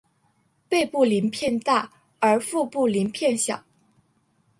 背部鳞片大而腹部鳞片小。